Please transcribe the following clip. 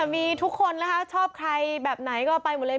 มีทุกคนนะคะชอบใครแบบไหนก็ไปหมดเลย